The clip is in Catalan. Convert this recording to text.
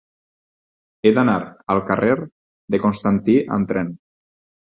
He d'anar al carrer de Constantí amb tren.